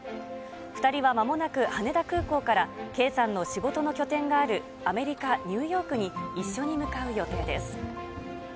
２人はまもなく羽田空港から、圭さんの仕事の拠点があるアメリカ・ニューヨークに一緒に向かう予定です。